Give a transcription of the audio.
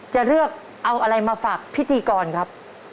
จะเลือกเอาอะไรมาฝากพิธีกรครับ